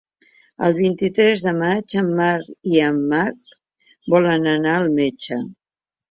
El vint-i-tres de maig en Marc i en Marc volen anar al metge.